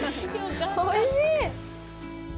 おいしい。